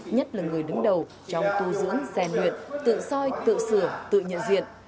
nhất là người đứng đầu trong tu dưỡng xe luyện tự soi tự sửa tự nhận duyệt